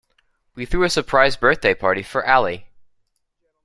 We threw a surprise birthday party for Ali.